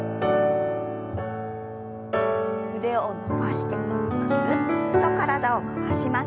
腕を伸ばしてぐるっと体を回します。